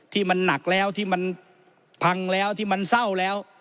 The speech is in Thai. ที่มันหนักแล้วที่มันพังแล้วที่มันเศร้าแล้ว